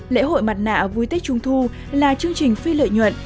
lễ hội mặt nạ vui tết trung thu là chương trình phi lợi nhuận